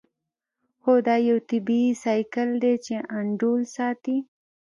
هو دا یو طبیعي سایکل دی چې انډول ساتي